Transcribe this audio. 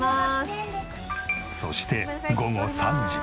そして午後３時。